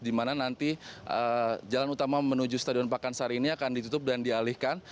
di mana nanti jalan utama menuju stadion pakansari ini akan ditutup dan dialihkan